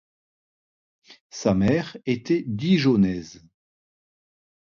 Sa mère était dijonnaise.